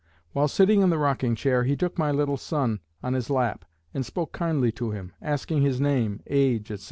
While sitting in the rocking chair, he took my little son on his lap and spoke kindly to him, asking his name, age, etc.